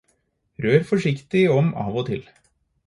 Rør forsiktig om av og til.